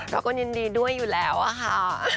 เราก็ยินดีด้วยอยู่แล้วค่ะ